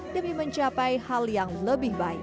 demi mencapai hal yang lebih baik